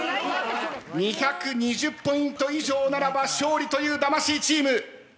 ２２０ポイント以上ならば勝利という魂チーム。